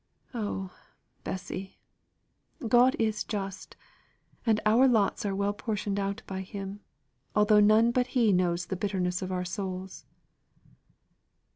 Oh, Bessy, God is just, and our lots are well portioned out by Him, although none but He knows the bitterness of our souls."